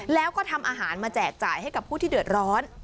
แล้วก็ทำอาหารมาแจกจ่ายให้กับผู้ที่เดือดร้อน